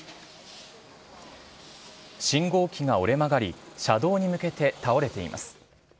信号機が折れ曲がり、車道に向けて倒れています。